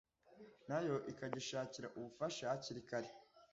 na yo ikagishakira ubufasha hakiri kare